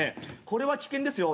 これは危険ですよ。